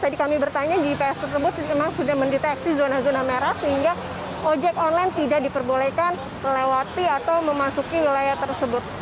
tadi kami bertanya gps tersebut memang sudah mendeteksi zona zona merah sehingga ojek online tidak diperbolehkan lewati atau memasuki wilayah tersebut